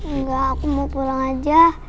enggak aku mau pulang aja